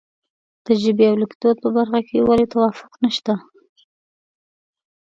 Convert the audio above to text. د ژبې او لیکدود په برخه کې ولې توافق نشته.